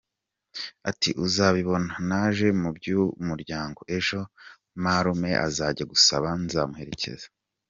Ati “Uzabibona, naje mu by’umuryango, ejo marume azajya gusaba, nzamuherekeza.